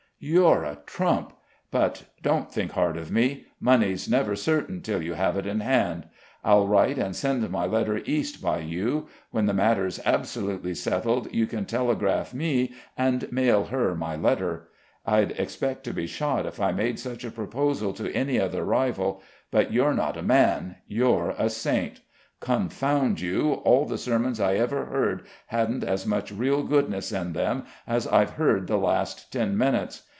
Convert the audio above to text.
"You're a trump; but don't think hard of me money's never certain till you have it in hand. I'll write and send my letter East by you; when the matter's absolutely settled, you can telegraph me, and mail her my letter. I'd expect to be shot if I made such a proposal to any other rival, but you're not a man you're a saint. Confound you, all the sermons I ever heard hadn't as much real goodness in them as I've heard the last ten minutes!